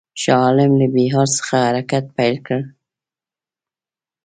شاه عالم له بیهار څخه حرکت پیل کړ.